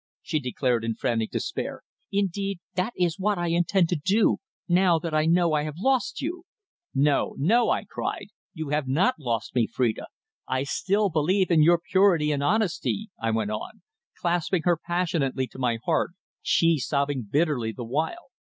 she declared, in frantic despair. "Indeed, that is what I intend to do now that I know I have lost you!" "No, no," I cried. "You have not lost me, Phrida. I still believe in your purity and honesty," I went on, clasping her passionately to my heart, she sobbing bitterly the while.